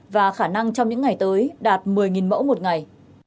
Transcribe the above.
và khả năng trong những ngày tới đạt một mươi mẫu một ngày